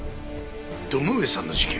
「堂上さんの事件」？